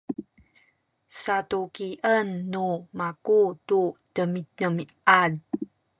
satukien nu maku tu demidemiad